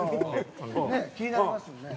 気になりますよね。